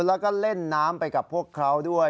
แล้วก็เล่นน้ำไปกับพวกเขาด้วย